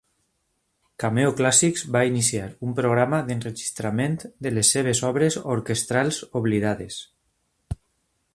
Cameo Classics va iniciar un programa d'enregistrament de les seves obres orquestrals oblidades.